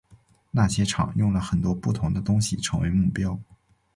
那些场用了很多不同的东西成为目标。